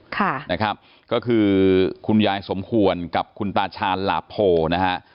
ค่ะนะครับก็คือคุณยายสมควรกับคุณตาชาญหลาโพนะฮะ